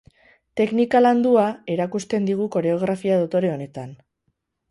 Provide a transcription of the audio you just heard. Teknika landua, erakusten digu koreografia dotore honetan.